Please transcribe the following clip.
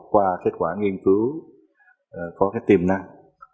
qua kết quả nghiên cứu có cái tiềm năng